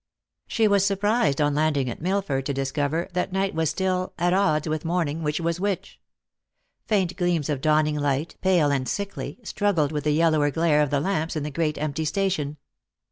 She was surprised on landing at Milford to discover that night was still "at odds with morning which was which." Faint gleams of dawning light, pale and sickly, struggled with the yellower glare of the lamps in the great empty station.